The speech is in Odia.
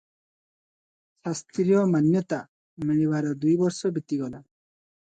ଶାସ୍ତ୍ରୀୟ ମାନ୍ୟତା ମିଳିବାର ଦୁଇ ବର୍ଷ ବିତିଗଲା ।